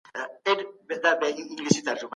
فکري بېسوادي ټولنه د تباهۍ خوا ته بيايي.